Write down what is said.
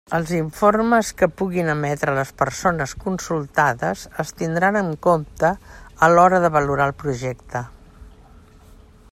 Els informes que puguin emetre les persones consultades es tindran en compte a l'hora de valorar el projecte.